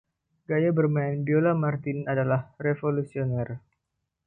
Gaya bermain biola Martin adalah revolusioner.